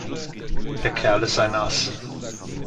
Der Kerl ist ein Ass.